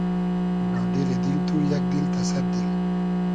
نادیری دیل تو یئگ دیل تۂ سئد دیل